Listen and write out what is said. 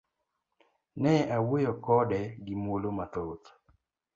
Ne awuoyo kode gi muolo mathoth.